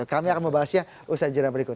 kami akan membahasnya usai jenah berikut